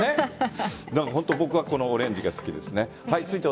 僕はこのオレンジが好きですね。